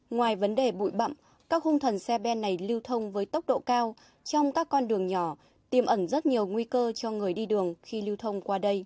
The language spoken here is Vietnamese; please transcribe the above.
ngoài vấn đề bụi bậm các hung thần xe ben này lưu thông với tốc độ cao trong các con đường nhỏ tiêm ẩn rất nhiều nguy cơ cho người đi đường khi lưu thông qua đây